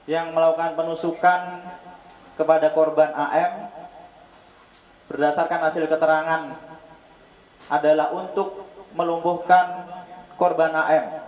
yang melakukan penusukan kepada korban am berdasarkan hasil keterangan adalah untuk melumbuhkan korban am